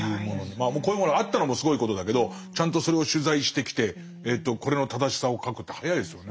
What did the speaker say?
こういうものがあったのもすごいことだけどちゃんとそれを取材してきてこれの正しさを書くって早いですよね。